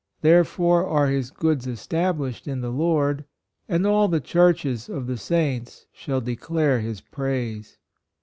Therefore are his goods established in the Lord, and all the churches of the Saints shall declare his praise."